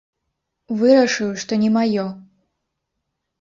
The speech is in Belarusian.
Вырашыў, што не маё.